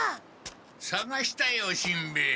さがしたよしんべヱ。